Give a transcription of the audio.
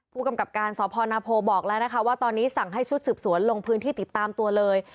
ผู้กำกับการสพนโพบอกแล้วนะคะว่าตอนนี้สั่งให้ชุดสืบสวนลงพื้นที่ติดตามตัวเลย